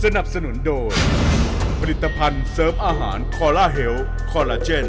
สนับสนุนโดยผลิตภัณฑ์เสริมอาหารคอลลาเฮลคอลลาเจน